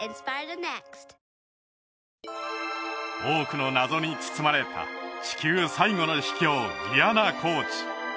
多くの謎に包まれた地球最後の秘境ギアナ高地